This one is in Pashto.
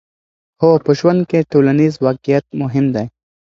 هو، په ژوند کې ټولنیز واقعیت مهم دی.